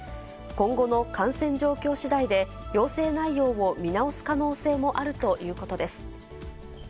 今後の感染状況しだいで要請内容を見直す可能性もあるということです。